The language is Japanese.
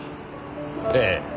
ええ。